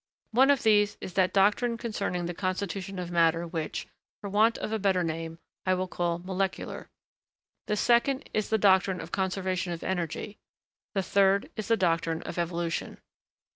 One of these is that doctrine concerning the constitution of matter which, for want of a better name, I will call 'molecular;' the second is the doctrine of conservation of energy; the third is the doctrine of evolution.